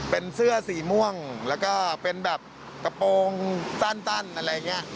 เป็นเสื้อสีม่วงแล้วก็เป็นแบบกระโปรงสั้นอะไรอย่างนี้